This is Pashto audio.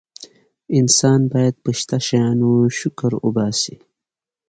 انسان باید په شته شیانو شکر وباسي.